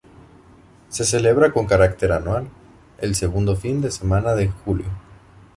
Se celebra con carácter anual, el segundo fin de semana de julio.